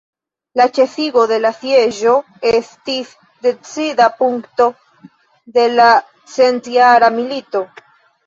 La ĉesigo de la sieĝo estis decida punkto de la centjara milito.